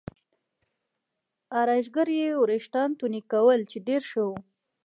ارایشګرې یې وریښتان تورنۍ کول چې ډېر ښه و.